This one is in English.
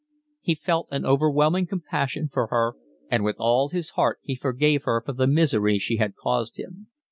He felt an overwhelming compassion for her, and with all his heart he forgave her for the misery she had caused him.